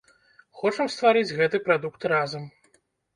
Хочам стварыць гэты прадукт разам.